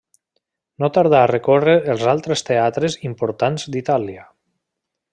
No tardà a recórrer els altres teatres importants d'Itàlia.